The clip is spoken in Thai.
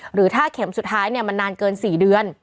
หรือถ้าเข็มสุดท้ายมันนานเกิน๔เดือน